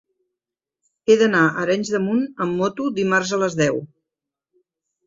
He d'anar a Arenys de Munt amb moto dimarts a les deu.